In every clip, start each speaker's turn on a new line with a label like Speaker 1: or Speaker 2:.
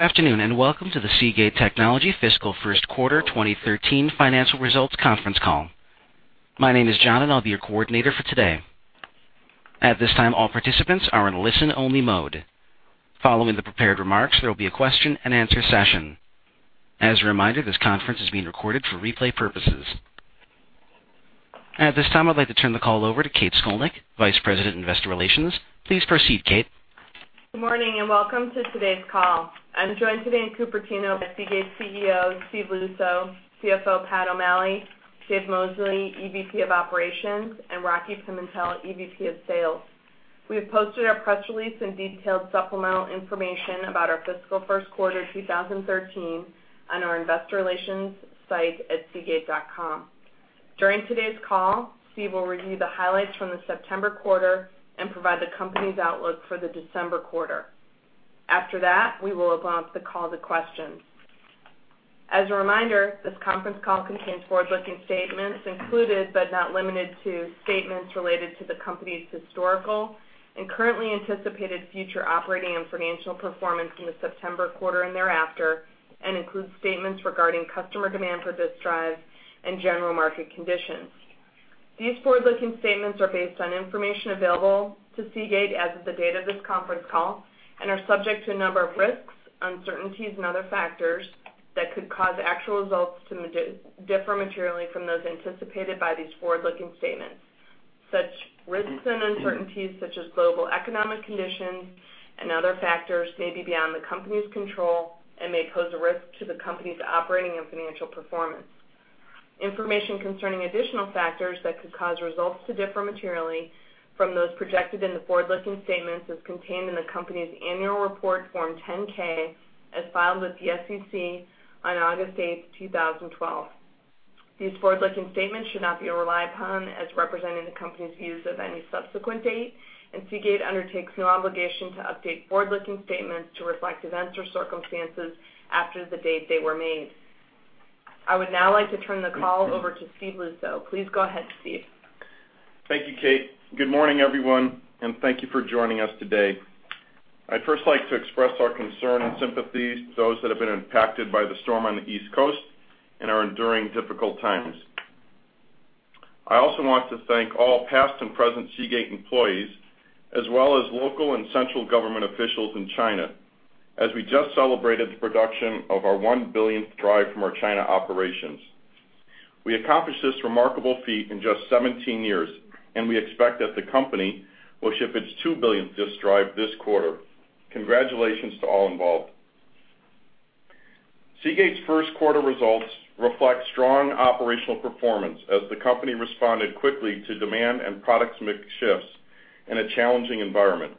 Speaker 1: Afternoon. Welcome to the Seagate Technology fiscal first quarter 2013 financial results conference call. My name is John, and I'll be your coordinator for today. At this time, all participants are in listen-only mode. Following the prepared remarks, there will be a question and answer session. As a reminder, this conference is being recorded for replay purposes. At this time, I'd like to turn the call over to Kate Scolnick, Vice President, Investor Relations. Please proceed, Kate.
Speaker 2: Good morning. Welcome to today's call. I'm joined today in Cupertino by Seagate CEO, Steve Luczo, CFO, Pat O'Malley, Dave Mosley, EVP of Operations, and Rocky Pimentel, EVP of Sales. We have posted our press release and detailed supplemental information about our fiscal first quarter 2013 on our investor relations site at seagate.com. During today's call, Steve will review the highlights from the September quarter and provide the company's outlook for the December quarter. After that, we will open up the call to questions. As a reminder, this conference call contains forward-looking statements, included but not limited to statements related to the company's historical and currently anticipated future operating and financial performance in the September quarter and thereafter, and includes statements regarding customer demand for disk drives and general market conditions. These forward-looking statements are based on information available to Seagate as of the date of this conference call and are subject to a number of risks, uncertainties, and other factors that could cause actual results to differ materially from those anticipated by these forward-looking statements. Such risks and uncertainties, such as global economic conditions and other factors, may be beyond the company's control and may pose a risk to the company's operating and financial performance. Information concerning additional factors that could cause results to differ materially from those projected in the forward-looking statements is contained in the company's annual report, Form 10-K, as filed with the SEC on August 8th, 2012. These forward-looking statements should not be relied upon as representing the company's views as of any subsequent date. Seagate undertakes no obligation to update forward-looking statements to reflect events or circumstances after the date they were made. I would now like to turn the call over to Steve Luczo. Please go ahead, Steve.
Speaker 3: Thank you, Kate. Good morning, everyone, thank you for joining us today. I'd first like to express our concern and sympathy to those that have been impacted by the storm on the East Coast and are enduring difficult times. I also want to thank all past and present Seagate employees, as well as local and central government officials in China, as we just celebrated the production of our 1-billionth drive from our China operations. We accomplished this remarkable feat in just 17 years, we expect that the company will ship its 2-billionth disk drive this quarter. Congratulations to all involved. Seagate's first quarter results reflect strong operational performance as the company responded quickly to demand and product mix shifts in a challenging environment.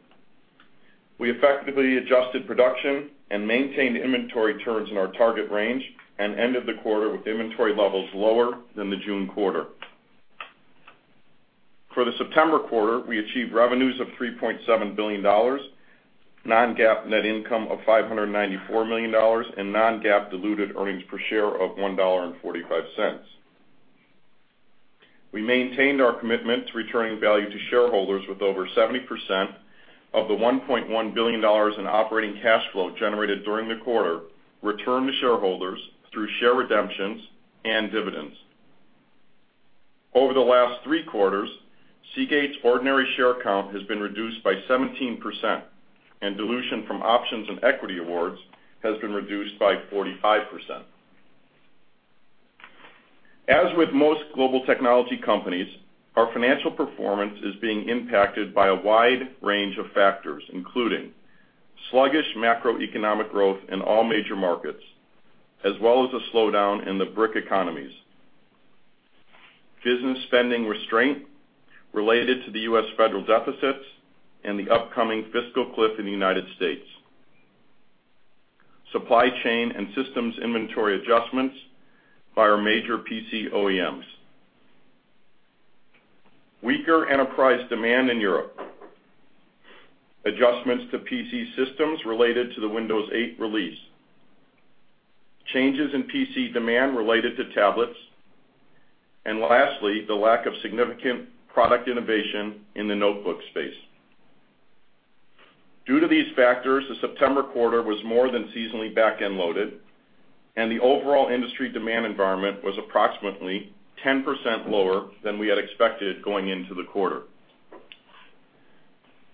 Speaker 3: We effectively adjusted production and maintained inventory turns in our target range and ended the quarter with inventory levels lower than the June quarter. For the September quarter, we achieved revenues of $3.7 billion, non-GAAP net income of $594 million and non-GAAP diluted earnings per share of $1.45. We maintained our commitment to returning value to shareholders with over 70% of the $1.1 billion in operating cash flow generated during the quarter returned to shareholders through share redemptions and dividends. Over the last three quarters, Seagate's ordinary share count has been reduced by 17%, dilution from options and equity awards has been reduced by 45%. As with most global technology companies, our financial performance is being impacted by a wide range of factors, including sluggish macroeconomic growth in all major markets, as well as a slowdown in the BRIC economies. Business spending restraint related to the U.S. federal deficits and the upcoming fiscal cliff in the United States. Supply chain and systems inventory adjustments by our major PC OEMs. Weaker enterprise demand in Europe. Adjustments to PC systems related to the Windows 8 release. Changes in PC demand related to tablets. Lastly, the lack of significant product innovation in the notebook space. Due to these factors, the September quarter was more than seasonally back-end loaded, the overall industry demand environment was approximately 10% lower than we had expected going into the quarter.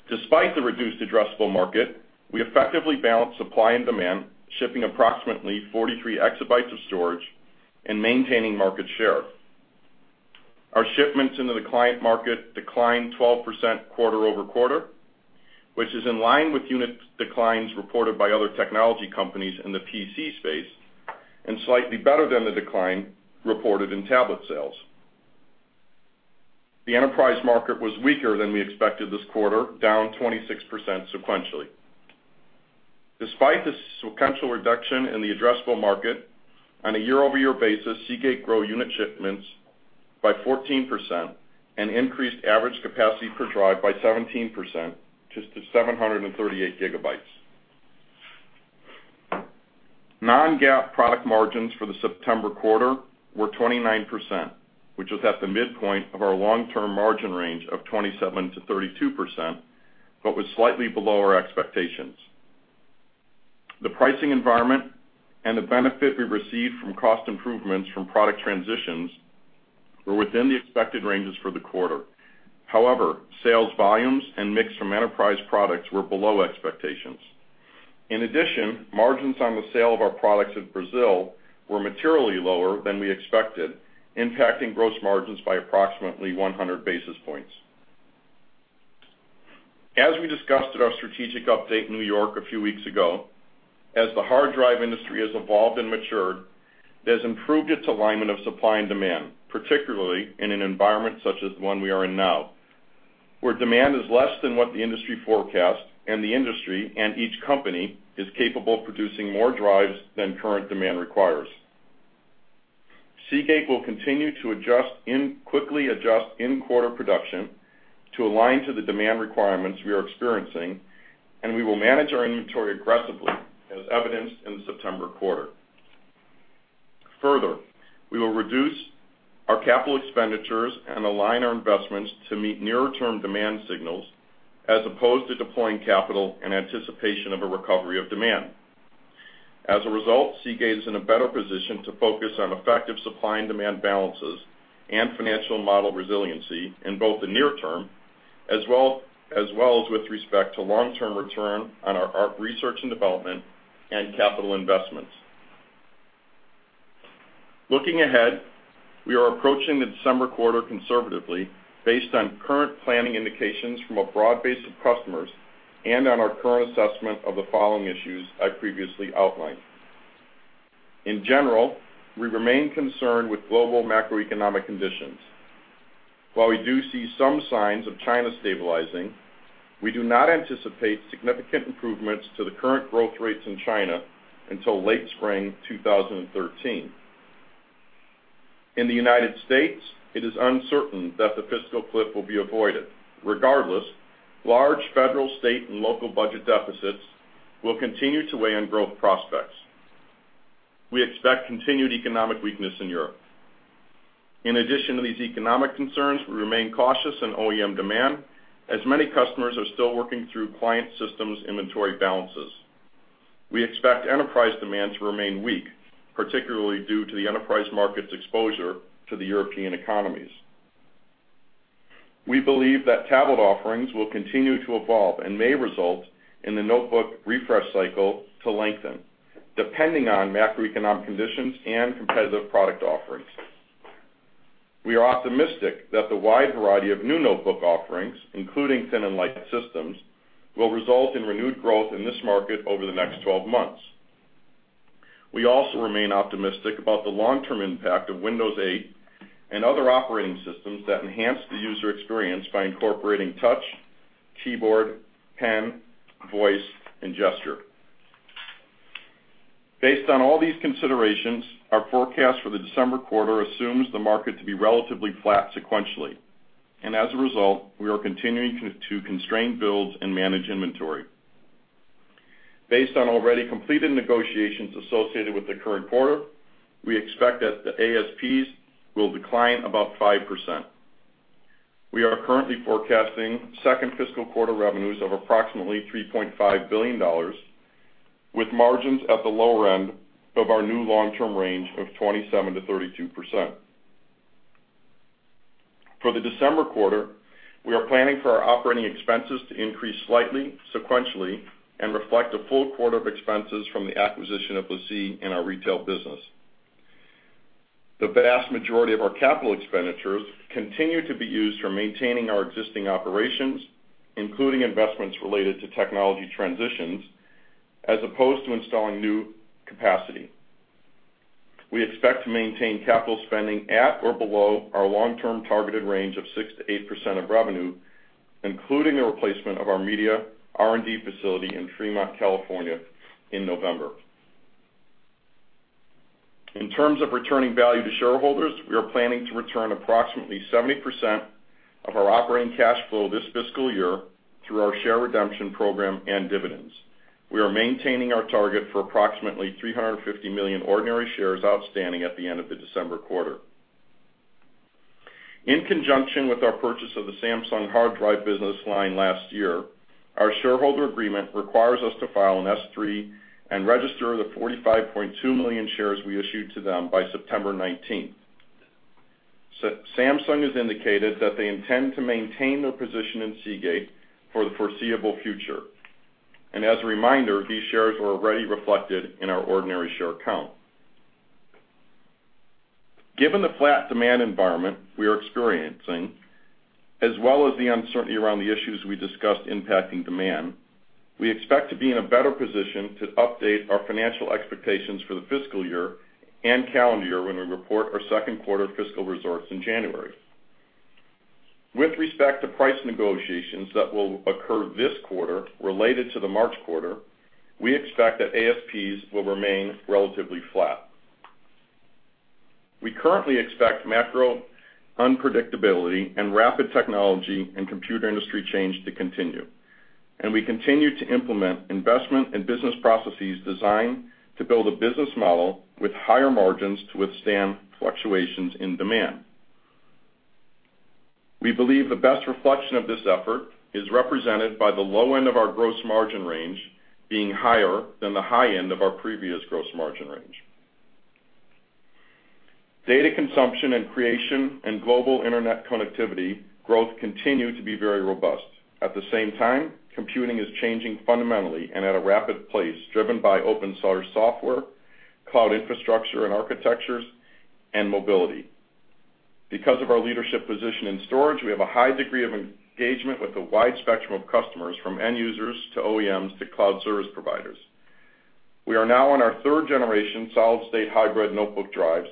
Speaker 3: Despite the reduced addressable market, we effectively balanced supply and demand, shipping approximately 43 exabytes of storage and maintaining market share. Our shipments into the client market declined 12% quarter-over-quarter, which is in line with unit declines reported by other technology companies in the PC space and slightly better than the decline reported in tablet sales. The enterprise market was weaker than we expected this quarter, down 26% sequentially. Despite the sequential reduction in the addressable market, on a year-over-year basis, Seagate grew unit shipments by 14% and increased average capacity per drive by 17%, to 738 gigabytes. Non-GAAP product margins for the September quarter were 29%, which was at the midpoint of our long-term margin range of 27%-32%, but was slightly below our expectations. The pricing environment and the benefit we received from cost improvements from product transitions were within the expected ranges for the quarter. However, sales volumes and mix from enterprise products were below expectations. In addition, margins on the sale of our products in Brazil were materially lower than we expected, impacting gross margins by approximately 100 basis points. As we discussed at our strategic update in New York a few weeks ago, as the hard drive industry has evolved and matured, it has improved its alignment of supply and demand, particularly in an environment such as the one we are in now, where demand is less than what the industry forecasts and the industry and each company is capable of producing more drives than current demand requires. Seagate will continue to quickly adjust in-quarter production to align to the demand requirements we are experiencing, and we will manage our inventory aggressively, as evidenced in the September quarter. Further, we will reduce our capital expenditures and align our investments to meet nearer-term demand signals, as opposed to deploying capital in anticipation of a recovery of demand. Seagate is in a better position to focus on effective supply and demand balances and financial model resiliency in both the near term, as well as with respect to long-term return on our research and development and capital investments. Looking ahead, we are approaching the December quarter conservatively based on current planning indications from a broad base of customers and on our current assessment of the following issues I previously outlined. In general, we remain concerned with global macroeconomic conditions. While we do see some signs of China stabilizing, we do not anticipate significant improvements to the current growth rates in China until late spring 2013. In the United States, it is uncertain that the fiscal cliff will be avoided. Regardless, large federal, state, and local budget deficits will continue to weigh on growth prospects. We expect continued economic weakness in Europe. In addition to these economic concerns, we remain cautious on OEM demand, as many customers are still working through client systems' inventory balances. We expect enterprise demand to remain weak, particularly due to the enterprise market's exposure to the European economies. We believe that tablet offerings will continue to evolve and may result in the notebook refresh cycle to lengthen, depending on macroeconomic conditions and competitive product offerings. We are optimistic that the wide variety of new notebook offerings, including thin and light systems, will result in renewed growth in this market over the next 12 months. We also remain optimistic about the long-term impact of Windows 8 and other operating systems that enhance the user experience by incorporating touch, keyboard, pen, voice, and gesture. Based on all these considerations, our forecast for the December quarter assumes the market to be relatively flat sequentially. We are continuing to constrain builds and manage inventory. Based on already completed negotiations associated with the current quarter, we expect that the ASPs will decline about 5%. We are currently forecasting second fiscal quarter revenues of approximately $3.5 billion, with margins at the lower end of our new long-term range of 27%-32%. For the December quarter, we are planning for our operating expenses to increase slightly sequentially and reflect a full quarter of expenses from the acquisition of LaCie in our retail business. The vast majority of our capital expenditures continue to be used for maintaining our existing operations, including investments related to technology transitions, as opposed to installing new capacity. We expect to maintain capital spending at or below our long-term targeted range of 6%-8% of revenue, including the replacement of our media R&D facility in Fremont, California, in November. In terms of returning value to shareholders, we are planning to return approximately 70% of our operating cash flow this fiscal year through our share redemption program and dividends. We are maintaining our target for approximately 350 million ordinary shares outstanding at the end of the December quarter. In conjunction with our purchase of the Samsung hard drive business line last year, our shareholder agreement requires us to file an S3 and register the 45.2 million shares we issued to them by September 19th. Samsung has indicated that they intend to maintain their position in Seagate for the foreseeable future. As a reminder, these shares were already reflected in our ordinary share count. Given the flat demand environment we are experiencing, as well as the uncertainty around the issues we discussed impacting demand, we expect to be in a better position to update our financial expectations for the fiscal year and calendar year when we report our second quarter fiscal results in January. With respect to price negotiations that will occur this quarter related to the March quarter, we expect that ASPs will remain relatively flat. We currently expect macro unpredictability and rapid technology and computer industry change to continue. We continue to implement investment and business processes designed to build a business model with higher margins to withstand fluctuations in demand. We believe the best reflection of this effort is represented by the low end of our gross margin range being higher than the high end of our previous gross margin range. Data consumption and creation and global internet connectivity growth continue to be very robust. At the same time, computing is changing fundamentally and at a rapid pace, driven by open-source software, cloud infrastructure and architectures, and mobility. Because of our leadership position in storage, we have a high degree of engagement with a wide spectrum of customers, from end users to OEMs to cloud service providers. We are now on our third-generation solid-state hybrid notebook drives.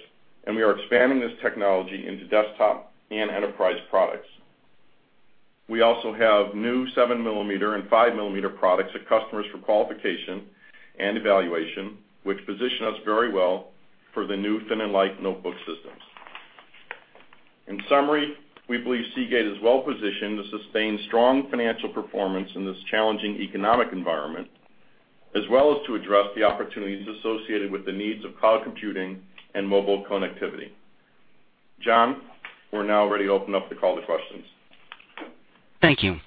Speaker 3: We are expanding this technology into desktop and enterprise products. We also have new 7-millimeter and 5-millimeter products at customers for qualification and evaluation, which position us very well for the new thin-and-light notebook systems. In summary, we believe Seagate is well-positioned to sustain strong financial performance in this challenging economic environment, as well as to address the opportunities associated with the needs of cloud computing and mobile connectivity. John, we're now ready to open up the call to questions.
Speaker 1: Thank you.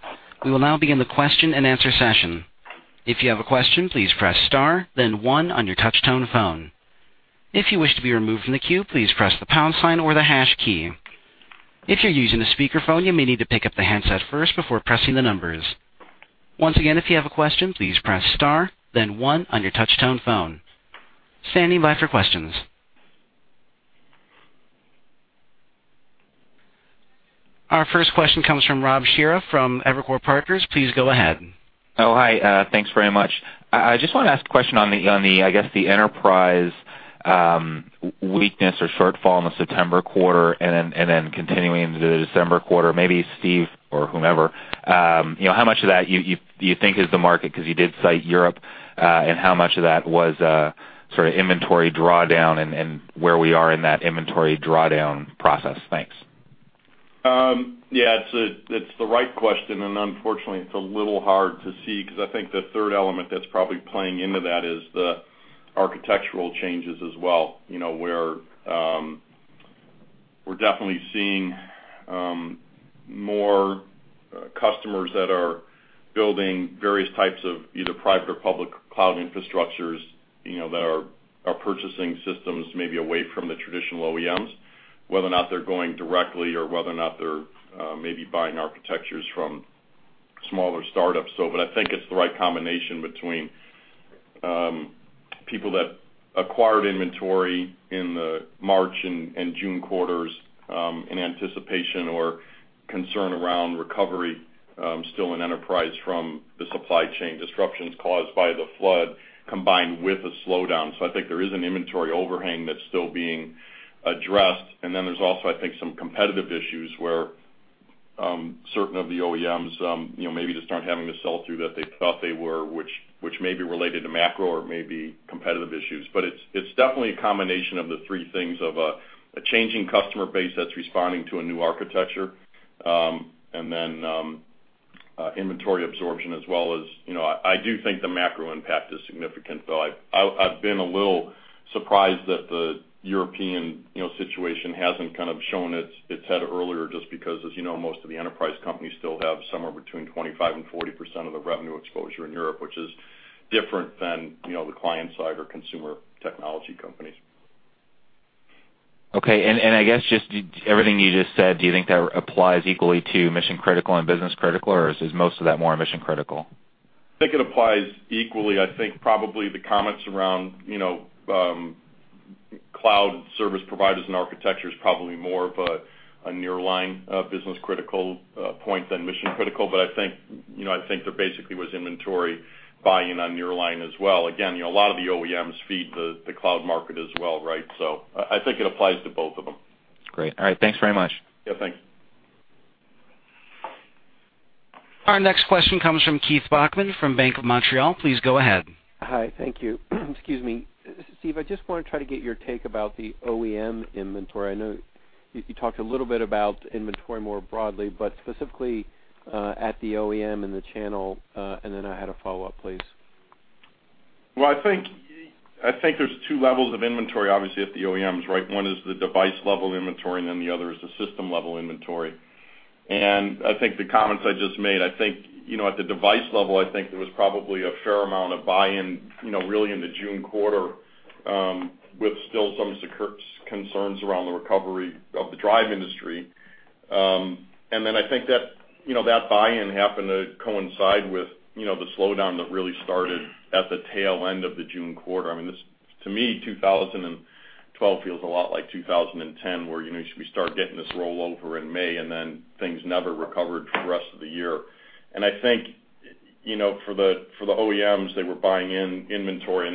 Speaker 1: We will now begin the question-and-answer session. If you have a question, please press star then one on your touch-tone phone. If you wish to be removed from the queue, please press the pound sign or the hash key. If you're using a speakerphone, you may need to pick up the handset first before pressing the numbers. Once again, if you have a question, please press star then one on your touch-tone phone. Standing by for questions. Our first question comes from Rob Cihra from Evercore Partners. Please go ahead.
Speaker 4: Oh, hi. Thanks very much. I just want to ask a question on the enterprise weakness or shortfall in the September quarter and then continuing into the December quarter, maybe Steve or whomever. How much of that do you think is the market, because you did cite Europe, and how much of that was inventory drawdown and where we are in that inventory drawdown process? Thanks.
Speaker 3: Yeah. It's the right question, and unfortunately, it's a little hard to see because I think the third element that's probably playing into that is the architectural changes as well, where we're definitely seeing more customers that are building various types of either private or public cloud infrastructures that are purchasing systems maybe away from the traditional OEMs, whether or not they're going directly or whether or not they're maybe buying architectures from smaller startups. I think it's the right combination between people that acquired inventory in the March and June quarters in anticipation or concern around recovery still in enterprise from the supply chain disruptions caused by the flood combined with a slowdown. I think there is an inventory overhang that's still being addressed. There's also, I think, some competitive issues where certain of the OEMs maybe just aren't having the sell-through that they thought they were, which may be related to macro or may be competitive issues. It's definitely a combination of the three things of a changing customer base that's responding to a new architecture, and then inventory absorption as well as I do think the macro impact is significant, though. I've been a little surprised that the European situation hasn't shown its head earlier just because, as you know, most of the enterprise companies still have somewhere between 25% and 40% of their revenue exposure in Europe, which is different than the client-side or consumer technology companies.
Speaker 4: I guess just everything you just said, do you think that applies equally to mission-critical and business-critical, or is most of that more mission-critical?
Speaker 3: I think it applies equally. I think probably the comments around cloud service providers and architecture is probably more of a nearline business-critical point than mission-critical. I think there basically was inventory buying on nearline as well. Again, a lot of the OEMs feed the cloud market as well, right? I think it applies to both of them.
Speaker 4: Great. All right. Thanks very much.
Speaker 3: Yeah. Thanks.
Speaker 1: Our next question comes from Keith Bachman from BMO Capital Markets. Please go ahead.
Speaker 5: Hi. Thank you. Excuse me. Steve, I just want to try to get your take about the OEM inventory. I know you talked a little bit about inventory more broadly, but specifically at the OEM and the channel, then I had a follow-up, please.
Speaker 3: Well, I think there's two levels of inventory, obviously, at the OEMs, right? One is the device-level inventory, then the other is the system-level inventory. I think the comments I just made, I think at the device level, I think there was probably a fair amount of buy-in really in the June quarter with still some concerns around the recovery of the drive industry. I think that buy-in happened to coincide with the slowdown that really started at the tail end of the June quarter. To me, 2012 feels a lot like 2010, where we start getting this rollover in May, things never recovered for the rest of the year. I think for the OEMs, they were buying in inventory,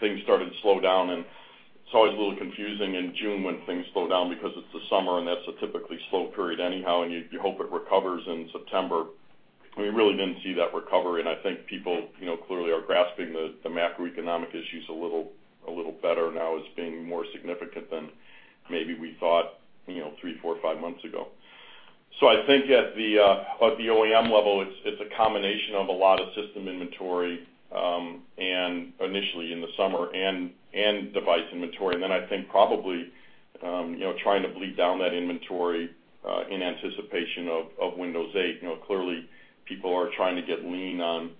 Speaker 3: things started to slow down. It's always a little confusing in June when things slow down because it's the summer, that's a typically slow period anyhow, you hope it recovers in September. We really didn't see that recovery, I think people clearly are grasping the macroeconomic issues a little better now as being more significant than maybe we thought three, four, five months ago. I think at the OEM level, it's a combination of a lot of system inventory, initially in the summer, device inventory. I think probably, trying to bleed down that inventory, in anticipation of Windows 8. Clearly, people are trying to get lean on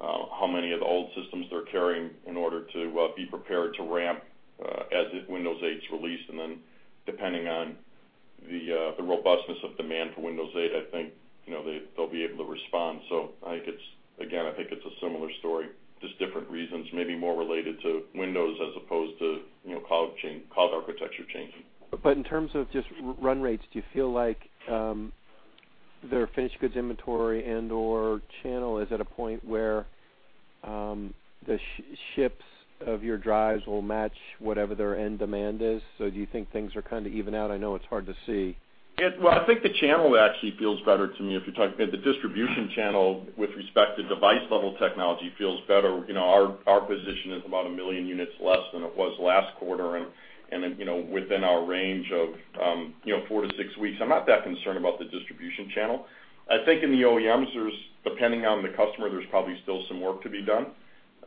Speaker 3: how many of the old systems they're carrying in order to be prepared to ramp as Windows 8's released. Depending on the robustness of demand for Windows 8, I think they'll be able to respond. Again, I think it's a similar story, just different reasons, maybe more related to Windows as opposed to cloud architecture changing.
Speaker 5: In terms of just run rates, do you feel like their finished goods inventory and/or channel is at a point where the ships of your drives will match whatever their end demand is? Do you think things are kind of even out? I know it's hard to see.
Speaker 3: Well, I think the channel actually feels better to me. The distribution channel with respect to device-level technology feels better. Our position is about a million units less than it was last quarter, and within our range of four to six weeks. I'm not that concerned about the distribution channel. I think in the OEMs, depending on the customer, there's probably still some work to be done.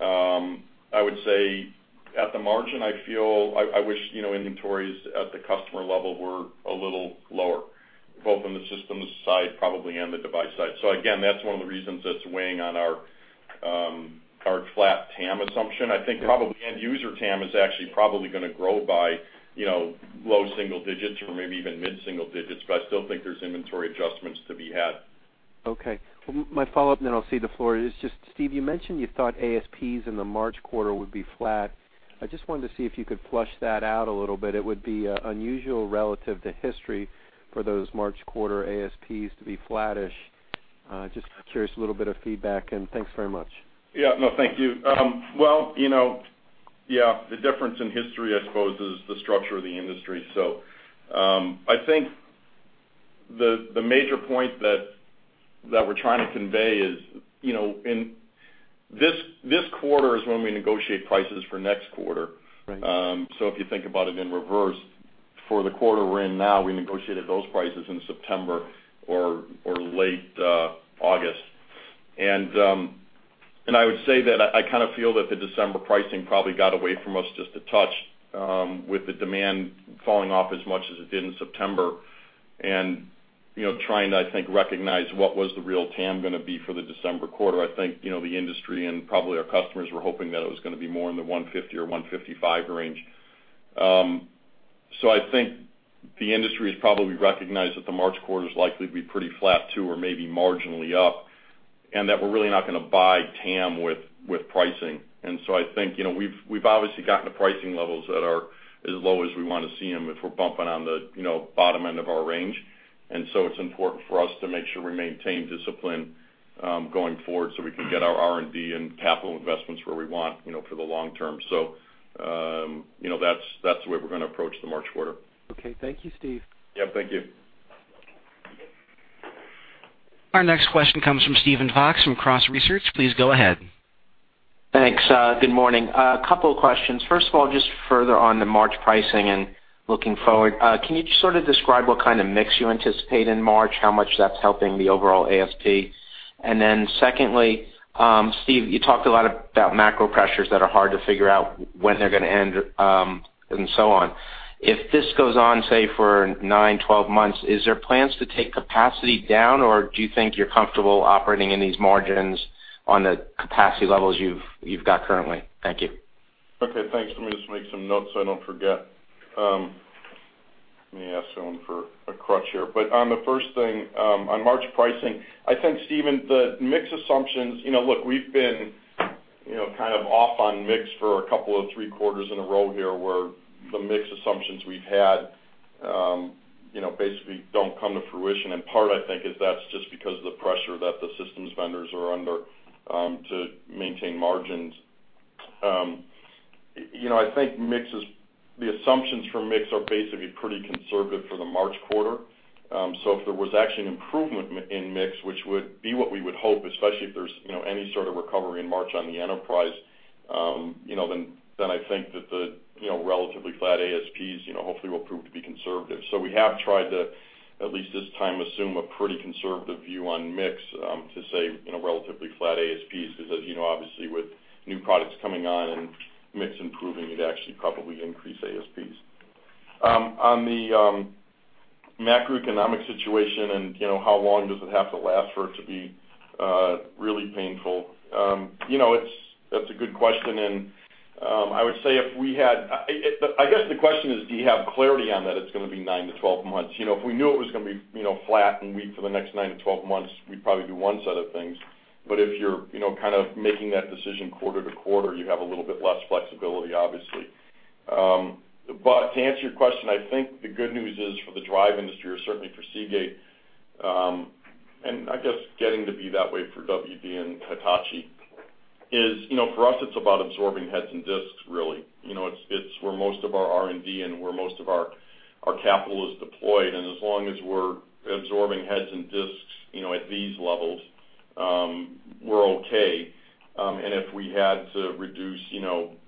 Speaker 3: I would say at the margin, I wish inventories at the customer level were a little lower, both on the systems side probably and the device side. Again, that's one of the reasons that's weighing on our flat TAM assumption. I think probably end user TAM is actually probably going to grow by low single digits or maybe even mid-single digits, but I still think there's inventory adjustments to be had.
Speaker 5: Okay. My follow-up, I'll cede the floor, is just, Steve, you mentioned you thought ASPs in the March quarter would be flat. I just wanted to see if you could flesh that out a little bit. It would be unusual relative to history for those March quarter ASPs to be flattish. Just curious, a little bit of feedback, thanks very much.
Speaker 3: Yeah. No, thank you. Well, yeah, the difference in history, I suppose, is the structure of the industry. I think the major point that we're trying to convey is, this quarter is when we negotiate prices for next quarter.
Speaker 5: Right.
Speaker 3: If you think about it in reverse, for the quarter we're in now, we negotiated those prices in September or late August. I would say that I kind of feel that the December pricing probably got away from us just a touch, with the demand falling off as much as it did in September. Trying to, I think, recognize what was the real TAM going to be for the December quarter. I think, the industry and probably our customers were hoping that it was going to be more in the 150 or 155 range. I think the industry has probably recognized that the March quarter is likely to be pretty flat too, or maybe marginally up, and that we're really not going to buy TAM with pricing. I think we've obviously gotten to pricing levels that are as low as we want to see them if we're bumping on the bottom end of our range. It's important for us to make sure we maintain discipline going forward so we can get our R&D and capital investments where we want for the long term. That's the way we're going to approach the March quarter.
Speaker 5: Okay. Thank you, Steve.
Speaker 3: Yeah. Thank you.
Speaker 1: Our next question comes from Steven Fox from Cross Research. Please go ahead.
Speaker 6: Thanks. Good morning. A couple of questions. First of all, just further on the March pricing and looking forward, can you just sort of describe what kind of mix you anticipate in March, how much that's helping the overall ASP? Secondly, Steve, you talked a lot about macro pressures that are hard to figure out when they're going to end, and so on. If this goes on, say, for nine, 12 months, is there plans to take capacity down, or do you think you're comfortable operating in these margins on the capacity levels you've got currently? Thank you.
Speaker 3: Okay, thanks. Let me just make some notes so I don't forget. Let me ask someone for a crutch here. On the first thing, on March pricing, I think, Steven, the mix assumptions, look, we've been kind of off on mix for a couple of three quarters in a row here, where the mix assumptions we've had basically don't come to fruition. Part, I think, is that's just because of the pressure that the systems vendors are under to maintain margins. I think the assumptions for mix are basically pretty conservative for the March quarter. If there was actually an improvement in mix, which would be what we would hope, especially if there's any sort of recovery in March on the enterprise, then I think that the relatively flat ASPs hopefully will prove to be conservative. We have tried to, at least this time, assume a pretty conservative view on mix to say relatively flat ASPs, because as you know, obviously, with new products coming on and mix improving, it'd actually probably increase ASPs. On the macroeconomic situation and how long does it have to last for it to be really painful, that's a good question. I guess the question is, do you have clarity on that it's going to be 9-12 months? If we knew it was going to be flat and weak for the next 9-12 months, we'd probably do one set of things. If you're kind of making that decision quarter to quarter, you have a little bit less flexibility, obviously. To answer your question, I think the good news is for the drive industry, or certainly for Seagate, and I guess getting to be that way for WD and Hitachi. For us, it's about absorbing heads and disks, really. It's where most of our R&D and where most of our capital is deployed, and as long as we're absorbing heads and disks at these levels, we're okay. If we had to reduce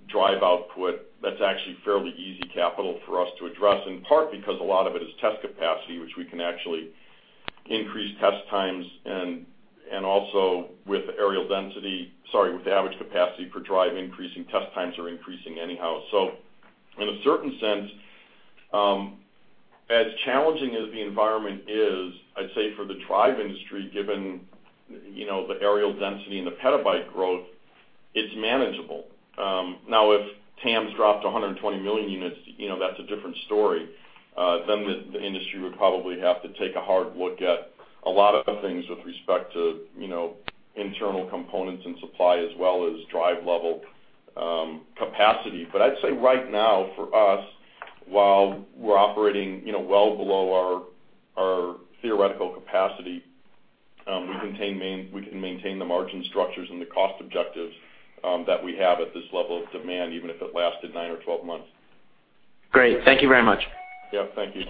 Speaker 3: drive output, that's actually fairly easy capital for us to address, in part because a lot of it is test capacity, which we can actually increase test times and also with the average capacity per drive increasing, test times are increasing anyhow. In a certain sense, as challenging as the environment is, I'd say for the drive industry, given the areal density and the petabyte growth, it's manageable. If TAM's dropped to 120 million units, that's a different story. The industry would probably have to take a hard look at a lot of things with respect to internal components and supply as well as drive-level capacity. I'd say right now for us, while we're operating well below our theoretical capacity, we can maintain the margin structures and the cost objectives that we have at this level of demand, even if it lasted nine or 12 months.
Speaker 6: Great. Thank you very much.
Speaker 3: Yeah. Thank you.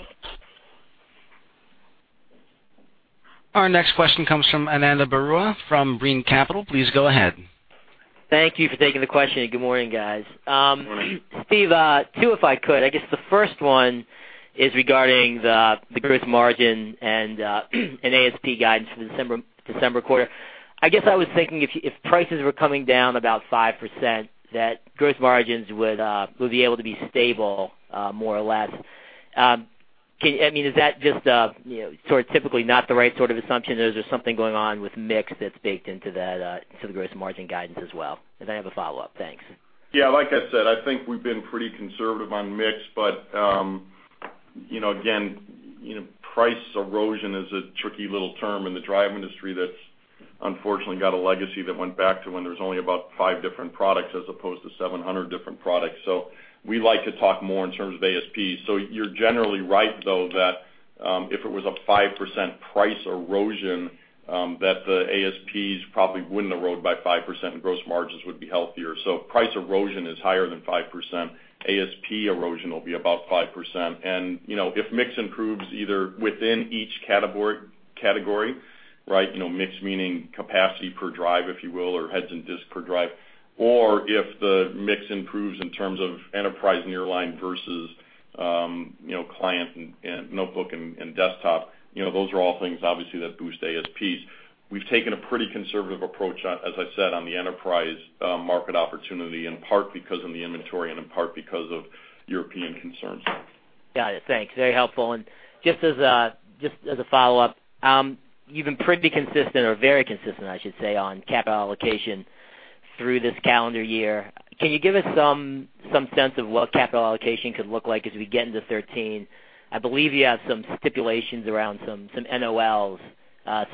Speaker 1: Our next question comes from Ananda Baruah from Brean Capital. Please go ahead.
Speaker 7: Thank you for taking the question. Good morning, guys.
Speaker 3: Good morning.
Speaker 7: Steve, two if I could. I guess the first one is regarding the gross margin and ASP guidance for the December quarter. I guess I was thinking if prices were coming down about 5%, that gross margins would be able to be stable, more or less. Is that just typically not the right sort of assumption? Or is there something going on with mix that's baked into that, to the gross margin guidance as well? I have a follow-up. Thanks.
Speaker 3: Yeah, like I said, I think we've been pretty conservative on mix, but again, price erosion is a tricky little term in the drive industry that's unfortunately got a legacy that went back to when there was only about five different products as opposed to 700 different products. We like to talk more in terms of ASP. You're generally right, though, that if it was a 5% price erosion, that the ASPs probably wouldn't erode by 5%, and gross margins would be healthier. If price erosion is higher than 5%, ASP erosion will be about 5%. If mix improves either within each category, mix meaning capacity per drive, if you will, or heads and disk per drive, or if the mix improves in terms of enterprise nearline versus client and notebook and desktop, those are all things, obviously, that boost ASPs. We've taken a pretty conservative approach, as I said, on the enterprise market opportunity, in part because of the inventory and in part because of European concerns.
Speaker 7: Got it. Thanks. Very helpful. Just as a follow-up, you've been pretty consistent, or very consistent I should say, on capital allocation through this calendar year. Can you give us some sense of what capital allocation could look like as we get into 2013? I believe you have some stipulations around some NOLs. Was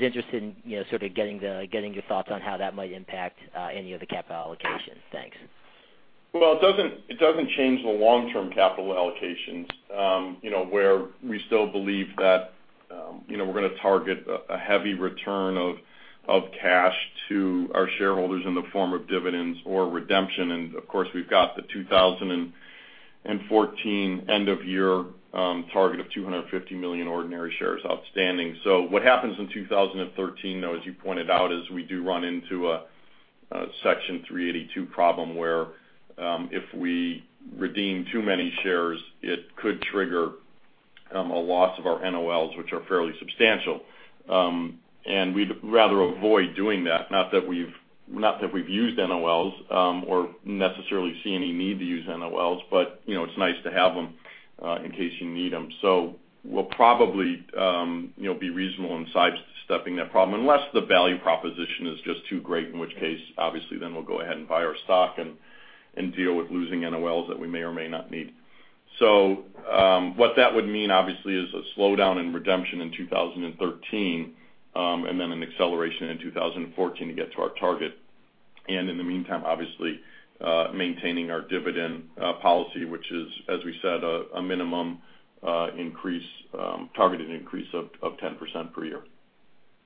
Speaker 7: interested in sort of getting your thoughts on how that might impact any of the capital allocation. Thanks.
Speaker 3: It doesn't change the long-term capital allocations where we still believe that we're going to target a heavy return of cash to our shareholders in the form of dividends or redemption. Of course, we've got the 2014 end-of-year target of 250 million ordinary shares outstanding. What happens in 2013, though, as you pointed out, is we do run into a Section 382 problem where if we redeem too many shares, it could trigger a loss of our NOLs, which are fairly substantial. We'd rather avoid doing that. Not that we've used NOLs or necessarily see any need to use NOLs, but it's nice to have them in case you need them. We'll probably be reasonable in sidestepping that problem unless the value proposition is just too great, in which case, obviously, then we'll go ahead and buy our stock and deal with losing NOLs that we may or may not need. What that would mean, obviously, is a slowdown in redemption in 2013, and then an acceleration in 2014 to get to our target. In the meantime, obviously, maintaining our dividend policy, which is, as we said, a minimum targeted increase of 10% per year.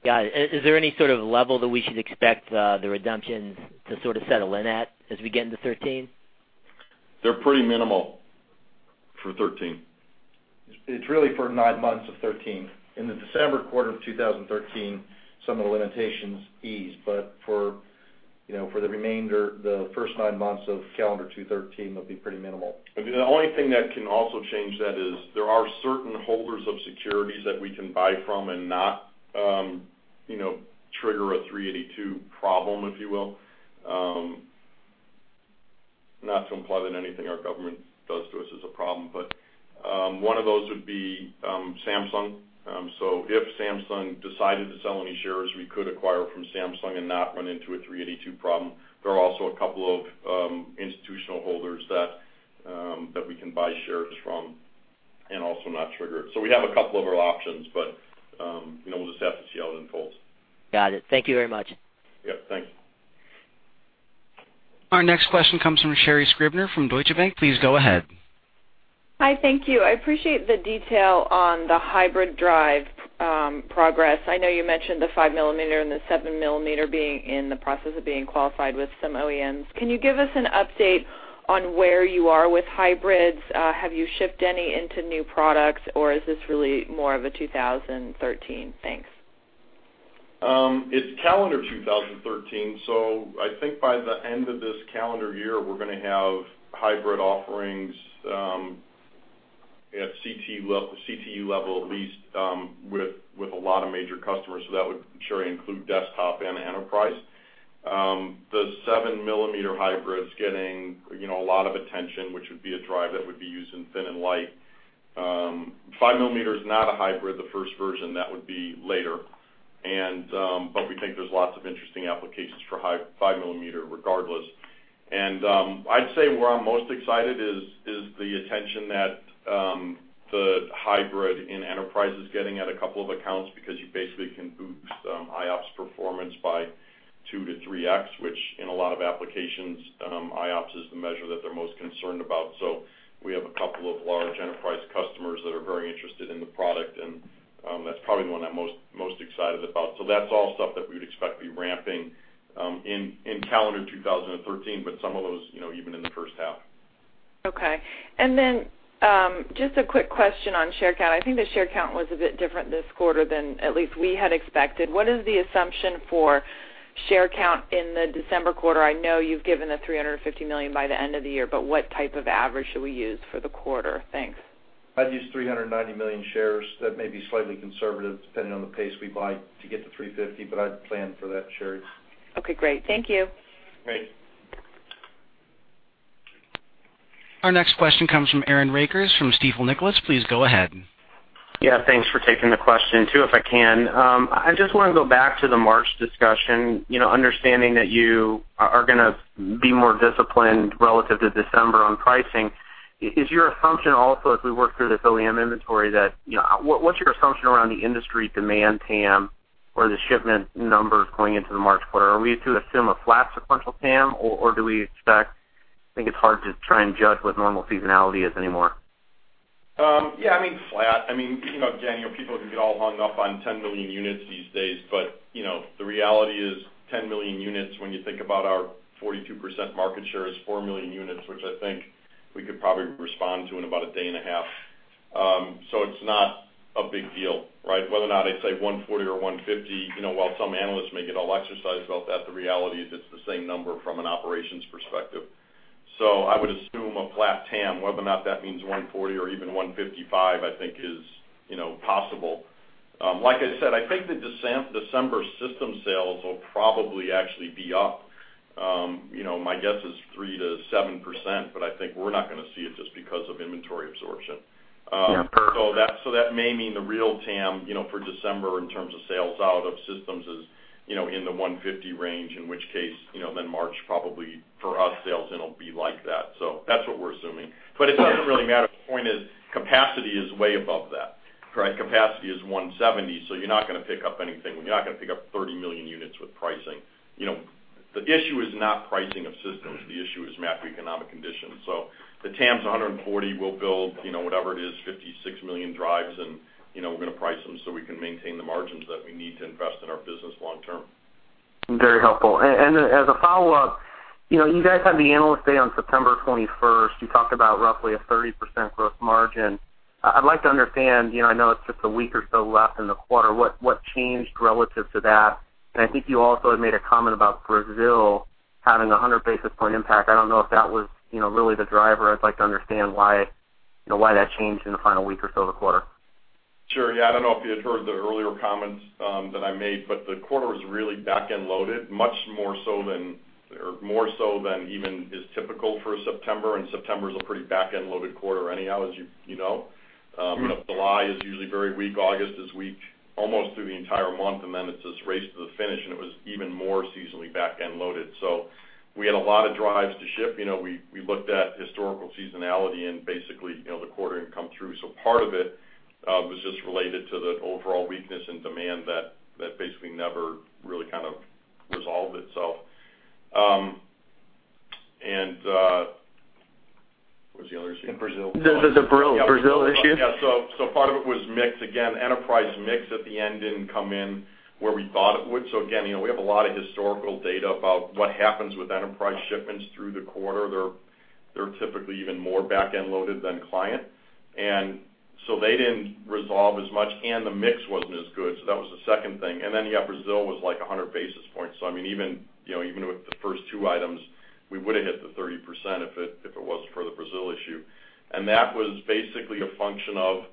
Speaker 7: Got it. Is there any sort of level that we should expect the redemptions to sort of settle in at as we get into '13?
Speaker 3: They're pretty minimal for '13.
Speaker 8: It's really for nine months of 2013. In the December quarter of 2013, some of the limitations ease, but for the remainder, the first nine months of calendar 2013 will be pretty minimal.
Speaker 3: The only thing that can also change that is there are certain holders of securities that we can buy from and not trigger a 382 problem, if you will. Not to imply that anything our government does to us is a problem, but one of those would be Samsung. If Samsung decided to sell any shares, we could acquire from Samsung and not run into a 382 problem. There are also a couple of institutional holders that we can buy shares from and also not trigger it. We have a couple of other options, but we'll just have to see how it unfolds.
Speaker 7: Got it. Thank you very much.
Speaker 3: Yeah. Thanks.
Speaker 1: Our next question comes from Sherri Scribner from Deutsche Bank. Please go ahead.
Speaker 9: Hi. Thank you. I appreciate the detail on the hybrid drive progress. I know you mentioned the five millimeter and the seven millimeter being in the process of being qualified with some OEMs. Can you give us an update on where you are with hybrids? Have you shipped any into new products, or is this really more of a 2013? Thanks.
Speaker 3: It's calendar 2013. I think by the end of this calendar year, we're going to have hybrid offerings at SKU level, at least with a lot of major customers. That would sure include desktop and enterprise. The seven millimeter hybrid's getting a lot of attention, which would be a drive that would be used in thin and light. Five millimeter is not a hybrid, the first version. That would be later. We think there's lots of interesting applications for five millimeter regardless. I'd say where I'm most excited is the attention that the hybrid in enterprise is getting at a couple of accounts because you basically can boost IOPs performance by 2x-3x, which in a lot of applications, IOPs is the measure that they're most concerned about. We have a couple of large enterprise customers that are very interested in the product, and that's probably the one I'm most excited about. That's all stuff that we would expect to be ramping in calendar 2013, but some of those even in the first half.
Speaker 9: Okay. Just a quick question on share count. I think the share count was a bit different this quarter than at least we had expected. What is the assumption for share count in the December quarter? I know you've given the $350 million by the end of the year, but what type of average should we use for the quarter? Thanks.
Speaker 3: I'd use 390 million shares. That may be slightly conservative depending on the pace we buy to get to 350, but I'd plan for that, Sherri.
Speaker 9: Okay, great. Thank you.
Speaker 3: Great.
Speaker 1: Our next question comes from Aaron Rakers from Stifel Nicolaus. Please go ahead.
Speaker 10: Yeah. Thanks for taking the question too, if I can. I just want to go back to the March discussion. Understanding that you are going to be more disciplined relative to December on pricing. As we work through this OEM inventory, what's your assumption around the industry demand TAM or the shipment numbers going into the March quarter? Are we to assume a flat sequential TAM, or I think it's hard to try and judge what normal seasonality is anymore.
Speaker 3: Yeah. I mean, flat. Again, people can get all hung up on 10 million units these days, but the reality is 10 million units when you think about our 42% market share is 4 million units, which I think we could probably respond to in about a day and a half. It's not a big deal, right? Whether or not I say 140 or 150, while some analysts may get all exercised about that, the reality is it's the same number from an operations perspective. I would assume a flat TAM. Whether or not that means 140 or even 155, I think is possible. Like I said, I think the December system sales will probably actually be up. My guess is 3%-7%, but I think we're not going to see it just because of inventory absorption.
Speaker 10: Yeah.
Speaker 3: That may mean the real TAM for December in terms of sales out of systems is in the 150 range. In which case, March probably for us sales in will be like that. That's what we're assuming. It doesn't really matter. The point is capacity is way above that, right? Capacity is 170, you're not going to pick up anything. We're not going to pick up 30 million units with pricing. The issue is not pricing of systems, the issue is macroeconomic conditions. The TAM's 140. We'll build whatever it is, 56 million drives, and we're going to price them so we can maintain the margins that we need to invest in our business long term.
Speaker 10: Very helpful. As a follow-up, you guys had the Analyst Day on September 21st. You talked about roughly a 30% gross margin. I'd like to understand, I know it's just a week or so left in the quarter, what changed relative to that? I think you also had made a comment about Brazil having 100 basis point impact. I don't know if that was really the driver. I'd like to understand why that changed in the final week or so of the quarter.
Speaker 3: Sure. Yeah. I don't know if you had heard the earlier comments that I made. The quarter was really back-end loaded, more so than even is typical for September. September's a pretty back-end loaded quarter anyhow, as you know. July is usually very weak. August is weak almost through the entire month. Then it's this race to the finish. It was even more seasonally back-end loaded. We had a lot of drives to ship. We looked at historical seasonality. Basically the quarter didn't come through. Part of it was just related to the overall weakness in demand that basically never really kind of resolved itself. What was the other issue?
Speaker 10: The Brazil issue.
Speaker 3: Yeah. Part of it was mix. Again, enterprise mix at the end didn't come in where we thought it would. Again, we have a lot of historical data about what happens with enterprise shipments through the quarter. They're typically even more back-end loaded than client. The mix wasn't as good. That was the second thing. Yeah, Brazil was like 100 basis points. Even with the first two items, we would've hit the 30% if it wasn't for the Brazil issue. That was basically a function of--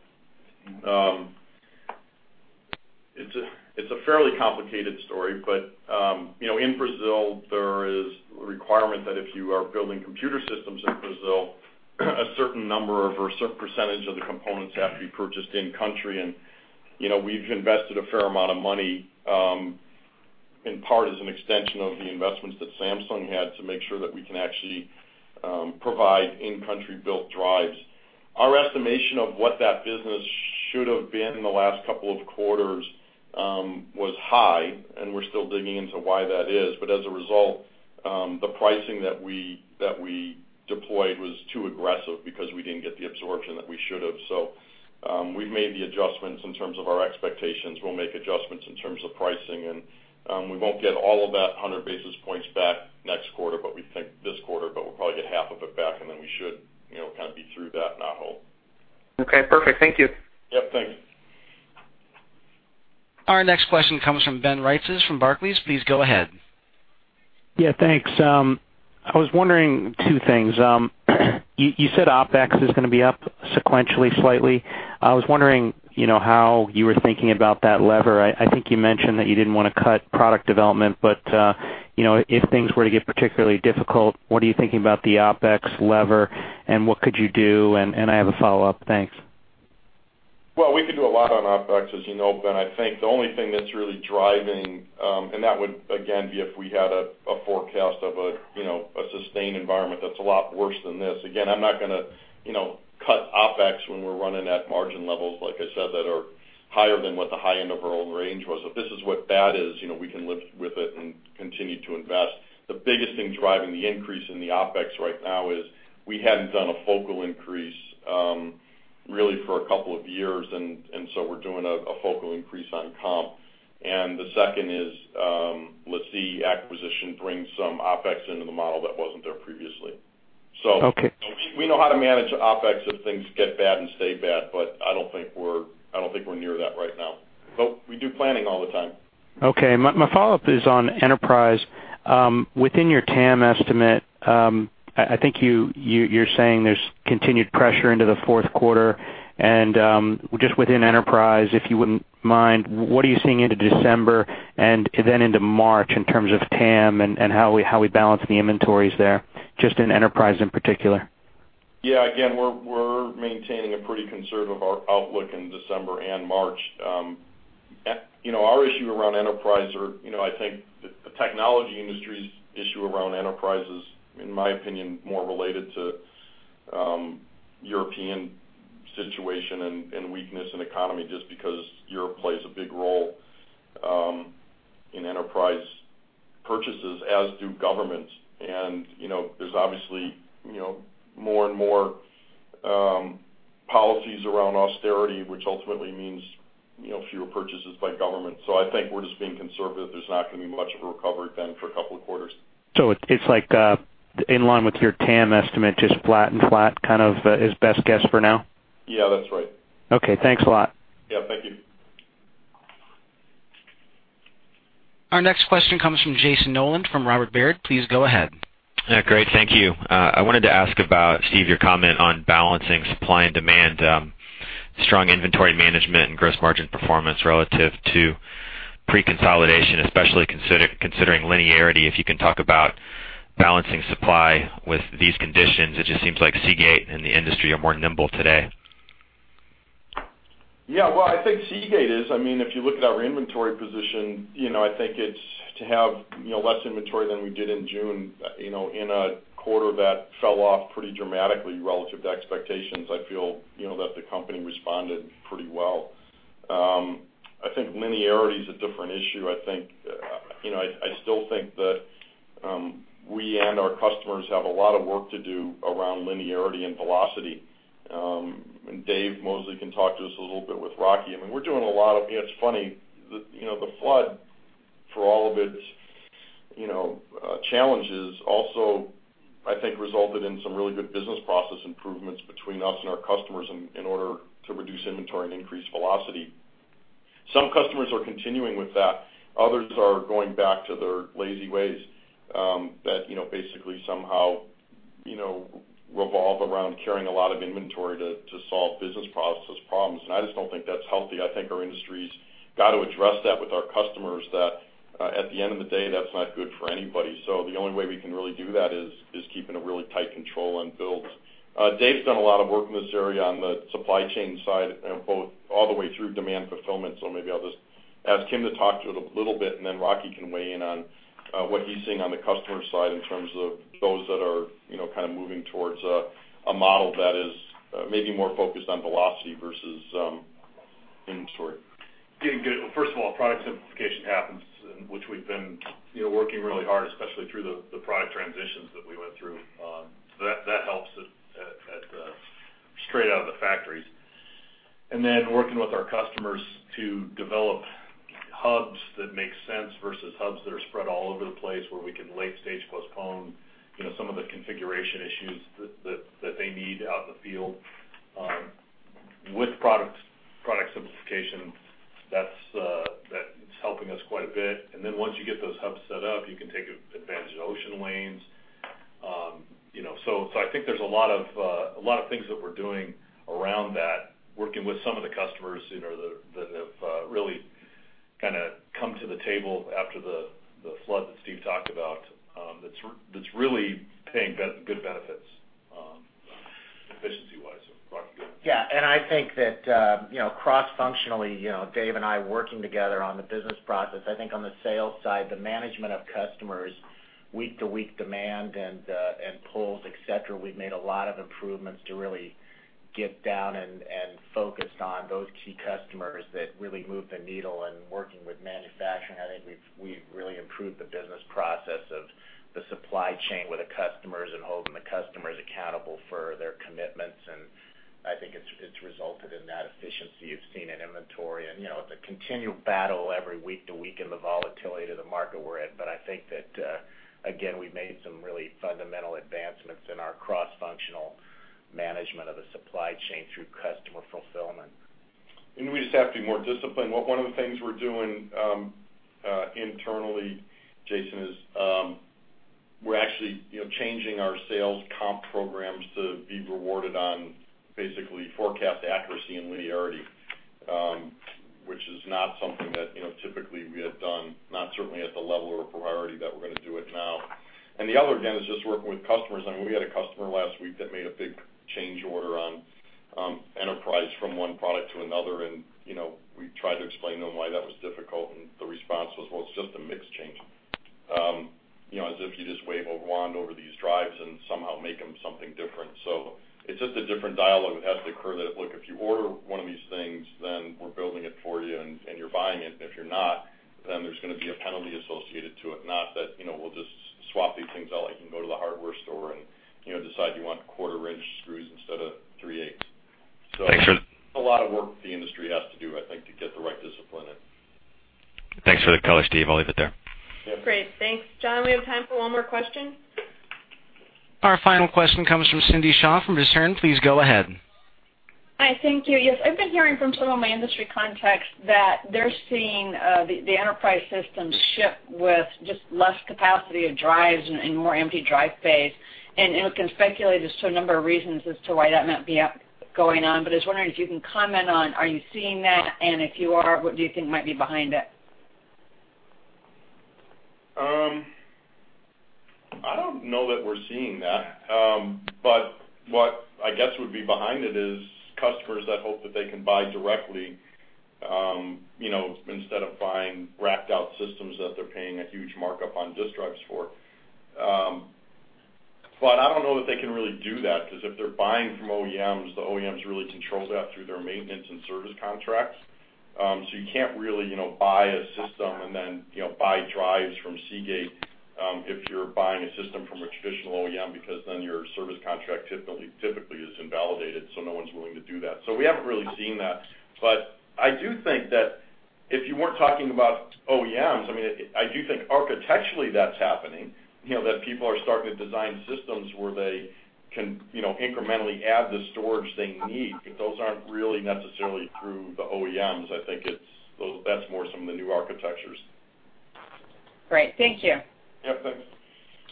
Speaker 3: It's a fairly complicated story, but in Brazil there is a requirement that if you are building computer systems in Brazil, a certain number or a certain percentage of the components have to be purchased in country. We've invested a fair amount of money in part as an extension of the investments that Samsung had to make sure that we can actually provide in-country built drives. Our estimation of what that business should have been in the last couple of quarters was high. We're still digging into why that is. As a result, the pricing that we deployed was too aggressive because we didn't get the absorption that we should have. We've made the adjustments in terms of our expectations. We'll make adjustments in terms of pricing. We won't get all of that 100 basis points back next quarter. We think this quarter, we'll probably get half of it back. We should kind of be through that now hope.
Speaker 10: Okay, perfect. Thank you.
Speaker 3: Yep. Thanks.
Speaker 1: Our next question comes from Ben Reitzes from Barclays. Please go ahead.
Speaker 11: Yeah, thanks. I was wondering two things. You said OpEx is going to be up sequentially slightly. I was wondering how you were thinking about that lever. I think you mentioned that you didn't want to cut product development, but if things were to get particularly difficult, what are you thinking about the OpEx lever and what could you do? I have a follow-up. Thanks.
Speaker 3: Well, we can do a lot on OpEx, as you know, Ben. I think the only thing that's really driving, that would again be if we had a forecast of a sustained environment that's a lot worse than this. Again, I'm not going to cut OpEx when we're running at margin levels, like I said, that are higher than what the high end of our own range was. If this is what bad is, we can live with it and continue to invest. The biggest thing driving the increase in the OpEx right now is we hadn't done a focal increase really for a couple of years, we're doing a focal increase on comp. The second is LaCie acquisition brings some OpEx into the model that wasn't there previously.
Speaker 11: Okay.
Speaker 3: We know how to manage OpEx if things get bad and stay bad, I don't think we're near that right now. We do planning all the time.
Speaker 11: Okay, my follow-up is on Enterprise. Within your TAM estimate, I think you're saying there's continued pressure into the fourth quarter, just within Enterprise, if you wouldn't mind, what are you seeing into December and then into March in terms of TAM and how we balance the inventories there, just in Enterprise in particular?
Speaker 3: Yeah, again, we're maintaining a pretty conservative outlook in December and March. Our issue around Enterprise, or I think the technology industry's issue around Enterprise is, in my opinion, more related to European situation and weakness in economy, just because Europe plays a big role in Enterprise purchases as do governments. There's obviously more and more policies around austerity, which ultimately means fewer purchases by government. I think we're just being conservative. There's not going to be much of a recovery then for a couple of quarters.
Speaker 11: It's like in line with your TAM estimate, just flat and flat kind of is best guess for now?
Speaker 3: Yeah, that's right.
Speaker 11: Okay, thanks a lot.
Speaker 3: Yeah, thank you.
Speaker 1: Our next question comes from Jayson Noland from Robert Baird. Please go ahead.
Speaker 12: Great. Thank you. I wanted to ask about, Steve, your comment on balancing supply and demand, strong inventory management, and gross margin performance relative to pre-consolidation, especially considering linearity. If you can talk about balancing supply with these conditions, it just seems like Seagate and the industry are more nimble today.
Speaker 3: Well, I think Seagate is. If you look at our inventory position, I think to have less inventory than we did in June in a quarter that fell off pretty dramatically relative to expectations, I feel that the company responded pretty well. I think linearity is a different issue. I still think that we and our customers have a lot of work to do around linearity and velocity. Dave Mosley can talk to us a little bit with Rocky. It's funny, the flood, for all of its challenges, also, I think resulted in some really good business process improvements between us and our customers in order to reduce inventory and increase velocity. Some customers are continuing with that. Others are going back to their lazy ways that basically somehow revolve around carrying a lot of inventory to solve business process problems. I just don't think that's healthy. I think our industry's got to address that with our customers, that at the end of the day, that's not good for anybody. The only way we can really do that is keeping a really tight control on builds. Dave's done a lot of work in this area on the supply chain side, both all the way through demand fulfillment. Maybe I'll just ask him to talk to it a little bit, and then Rocky can weigh in on what he's seeing on the customer side in terms of those that are kind of moving towards a model that is maybe more focused on velocity versus inventory.
Speaker 13: Yeah, good. First of all, product simplification happens, which we've been working really hard, especially through the product transitions that we went through. That helps it straight out of the factories. Then working with our customers to develop hubs that make sense versus hubs that are spread all over the place where we can late stage postpone some of the configuration issues that they need out in the field. With product simplification, that's helping us quite a bit. Then once you get those hubs set up, you can take advantage of ocean lanes. I think there's a lot of things that we're doing around that, working with some of the customers that have really come to the table after the flood that Steve talked about that's really paying good benefits.
Speaker 3: Efficiency-wise. Rocky, you go ahead.
Speaker 14: Yeah, I think that cross-functionally, Dave and I working together on the business process, I think on the sales side, the management of customers week to week demand and pulls, et cetera, we've made a lot of improvements to really get down and focused on those key customers that really move the needle and working with manufacturing, I think we've really improved the business process of the supply chain with the customers and holding the customers accountable for their commitments, I think it's resulted in that efficiency you've seen in inventory. It's a continual battle every week to week in the volatility to the market we're in. I think that, again, we've made some really fundamental advancements in our cross-functional management of the supply chain through customer fulfillment.
Speaker 3: We just have to be more disciplined. One of the things we're doing internally, Jayson, is we're actually changing our sales comp programs to be rewarded on basically forecast accuracy and linearity, which is not something that typically we had done, not certainly at the level of priority that we're going to do it now. The other, again, is just working with customers. We had a customer last week that made a big change order on enterprise from one product to another, and we tried to explain to them why that was difficult, and the response was, "Well, it's just a mix change." As if you just wave a wand over these drives and somehow make them something different. It's just a different dialogue that has to occur that, look, if you order one of these things, then we're building it for you and you're buying it. If you're not, there's going to be a penalty associated to it. Not that we'll just swap these things out, like you can go to the hardware store and decide you want quarter-inch screws instead of three-eighths.
Speaker 12: Thanks for- A lot of work the industry has to do, I think, to get the right discipline in. Thanks for the color, Steve. I'll leave it there.
Speaker 3: Yeah.
Speaker 2: Great. Thanks. John, we have time for one more question.
Speaker 1: Our final question comes from Cindy Shaw from Discern. Please go ahead.
Speaker 15: Hi. Thank you. I've been hearing from some of my industry contacts that they're seeing the enterprise systems ship with just less capacity of drives and more empty drive space, and can speculate as to a number of reasons as to why that might be going on. I was wondering if you can comment on, are you seeing that? If you are, what do you think might be behind it?
Speaker 3: I don't know that we're seeing that. What I guess would be behind it is customers that hope that they can buy directly, instead of buying racked-out systems that they're paying a huge markup on disc drives for. I don't know that they can really do that, because if they're buying from OEMs, the OEMs really control that through their maintenance and service contracts. You can't really buy a system and then buy drives from Seagate if you're buying a system from a traditional OEM because then your service contract typically is invalidated, no one's willing to do that. We haven't really seen that. I do think that if you weren't talking about OEMs, I do think architecturally that's happening, that people are starting to design systems where they can incrementally add the storage they need, but those aren't really necessarily through the OEMs. I think that's more some of the new architectures.
Speaker 15: Great. Thank you.
Speaker 3: Yeah, thanks.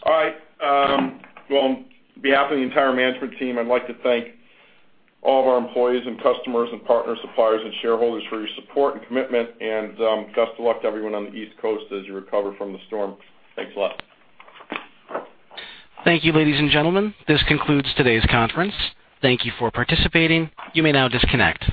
Speaker 3: All right. Well, on behalf of the entire management team, I'd like to thank all of our employees and customers and partners, suppliers, and shareholders for your support and commitment. Best of luck to everyone on the East Coast as you recover from the storm. Thanks a lot.
Speaker 1: Thank you, ladies and gentlemen. This concludes today's conference. Thank you for participating. You may now disconnect.